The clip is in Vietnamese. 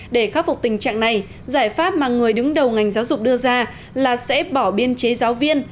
để khắc phục tình trạng này giải pháp mà người đứng đầu ngành giáo dục đưa ra là sẽ bỏ biên chế giáo viên